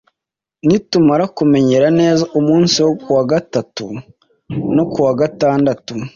nitumara kumenyera neza. Umunsi wo ku wa gatatu no ku wa gatandatu,